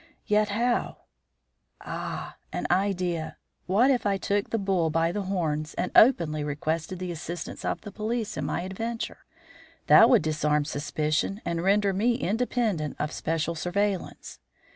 Yet how Ah! an idea. What if I took the bull by the horns and openly requested the assistance of the police in my adventure? That would disarm suspicion and render me independent of special surveillance.